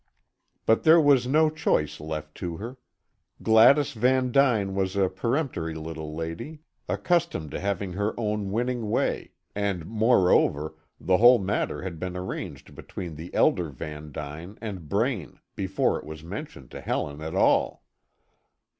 But there was no choice left to her. Gladys Van Duyn was a peremptory little lady, accustomed to have her own winning way, and moreover, the whole matter had been arranged between the elder Van Duyn and Braine before it was mentioned to Helen at all.